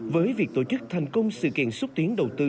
với việc tổ chức thành công sự kiện xúc tiến đầu tư